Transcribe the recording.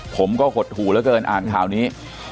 ผมก็หดหูเหลือเกินอ่านข่าวนี้